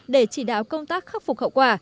để chỉ đạo công tác khắc phục hậu quả